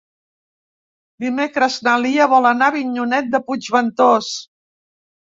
Dimecres na Lia vol anar a Avinyonet de Puigventós.